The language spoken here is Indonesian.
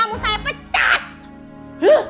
kamu saya pecat